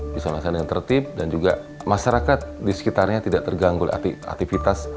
isolasi dengan tertib dan juga masyarakat di sekitarnya tidak terganggu aktivitas